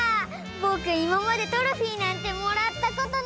ぼくいままでトロフィーなんてもらったことないのに！